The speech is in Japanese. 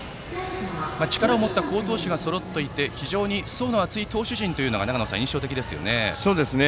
力を持った好投手がそろっていて非常に層の厚い投手陣というのが長野さん、印象的ですよね。